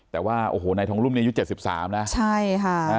แต่ว่าโอ้โหนายทองรุ่มนี้อายุ๗๓นะใช่ค่ะ